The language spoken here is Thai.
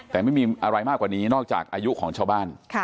แต่ไม่มีอะไรมากกว่านี้นอกจากอายุของชาวบ้าน